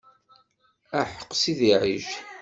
Aḥeq Sidi Ɛic.